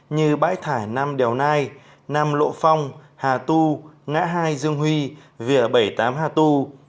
như bãi thải nam đèo nai nam lộ phong hà tu ngã hai dương huya bảy mươi tám hà tu